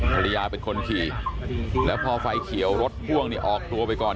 ภรรยาเป็นคนขี่แล้วพอไฟเขียวรถพ่วงเนี่ยออกตัวไปก่อน